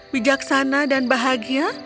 bijaksana dan bahagia